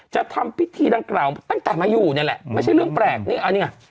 จะทำพิธีดังกล่าวตั้งแต่มาอยู่นี่แหละไม่ใช่เรื่องแปลกนี่อันนี้ไง